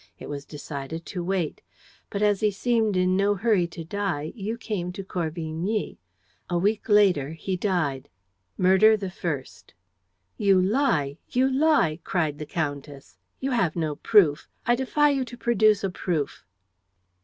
It was decided to wait. But, as he seemed in no hurry to die, you came to Corvigny. A week later, he died. Murder the first." "You lie! You lie!" cried the countess. "You have no proof. I defy you to produce a proof."